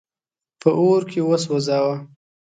په اور کي وسوځاوه.